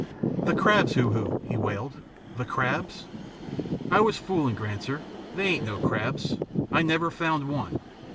"The crabs, Hoo Hoo?" he wailed. "The crabs?" "I was fooling Granser. They ain't no crabs! I never found one."